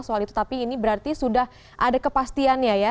soal itu tapi ini berarti sudah ada kepastiannya ya